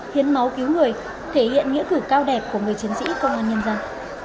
hiến máu cứu người thể hiện nghĩa cử cao đẹp của người chiến sĩ công an nhân dân